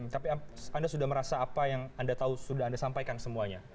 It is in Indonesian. tapi anda sudah merasa apa yang anda tahu sudah anda sampaikan semuanya